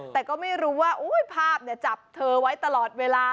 แต่ก็ไม่รู้ว่าภาพจับเธอไว้ตลอดเวลา